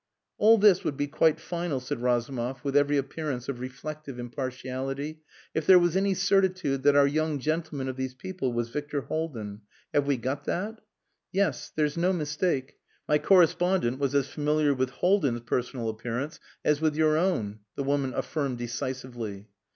"All this would be quite final," said Razumov, with every appearance of reflective impartiality, "if there was any certitude that the 'our young gentleman' of these people was Victor Haldin. Have we got that?" "Yes. There's no mistake. My correspondent was as familiar with Haldin's personal appearance as with your own," the woman affirmed decisively.